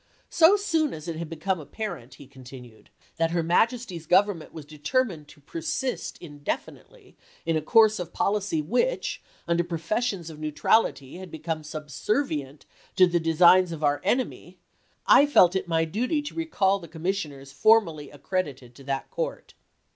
So soon as it had become apparent," he continued, "... that her Majesty's Government was deter mined to persist indefinitely in a course of policy *jefferaon' wMch, Under professions of neutrality, had become ^ersion^ subservient to the designs of our enemy, I felt it ^erate" my duty to recall the commissioners formerly ac 1863. ' credited to that court."